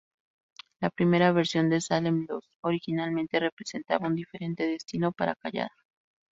La primera versión de "Salem's Lot" originalmente representaba un diferente destino para Callahan.